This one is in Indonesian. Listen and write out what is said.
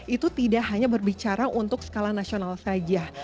itu tidak hanya berbicara untuk skala nasional saja